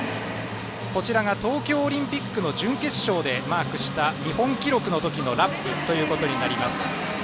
こちらが東京オリンピックの準決勝でマークした日本記録の時のラップとなります。